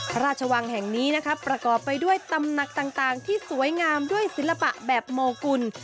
พระราชวังแห่งนี้นะครับประกอบไปด้วยตำหนักต่างที่สวยงามด้วยศิลปะแบบโมกุล